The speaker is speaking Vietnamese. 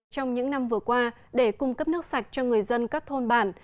trong những năm vừa qua để cung cấp nước sạch cho người dân các thôn bản